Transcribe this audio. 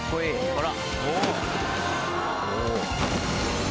あら！